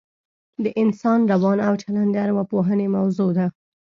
د انسان روان او چلن د اوراپوهنې موضوع ده